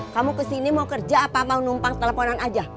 kamu kesini mau kerja apa apa mau numpang teleponan aja